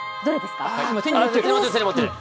今、手に持ってる！